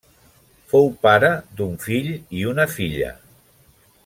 Fou pare d'un fill i una filla.